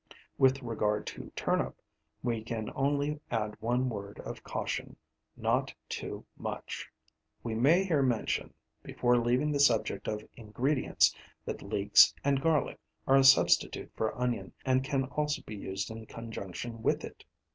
With regard to turnip, we can only add one word of caution not too much. We may here mention, before leaving the subject of ingredients, that leeks and garlic are a substitute for onion, and can also be used in conjunction with it.